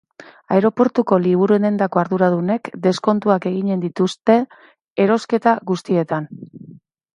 Aireportuko liburudendako arduradunek deskontuak eginen dituzte erosketa guztietan.